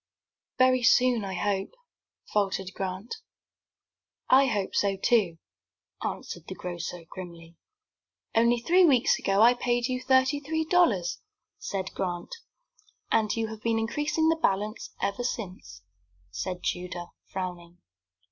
"Very soon, I hope," faltered Grant. "I hope so, too," answered the grocer, grimly. "Only three weeks ago I paid you thirty three dollars," said Grant. "And you have been increasing the balance ever since," said Tudor, frowning.